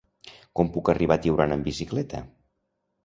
Com puc arribar a Tiurana amb bicicleta?